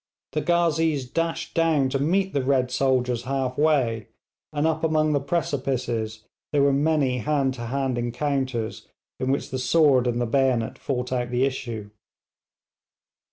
The ghazees dashed down to meet the red soldiers halfway, and up among the precipices there were many hand to hand encounters, in which the sword and the bayonet fought out the issue.